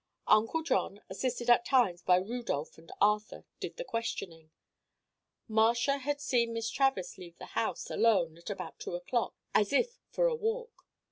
Uncle John, assisted at times by Rudolph and Arthur, did the questioning. Marcia had seen Miss Travers leave the house, alone, at about two o'clock, as if for a walk.